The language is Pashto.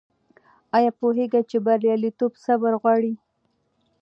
آیا پوهېږې چې بریالیتوب صبر غواړي؟